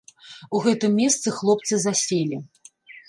У гэтым месцы хлопцы заселі.